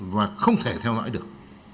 và không thể theo dõi được